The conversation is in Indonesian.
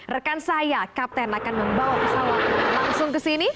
rekan saya kapten akan membawa pesawat langsung ke sini